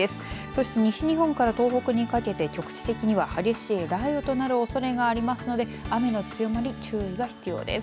それから西日本から東北にかけて局地的には激しい雷雨となるおそれがありますので雨の強まり注意が必要です。